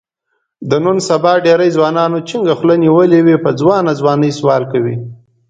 د نن سبا ډېری ځوانانو جینګه خوله نیولې وي، په ځوانه ځوانۍ سوال کوي.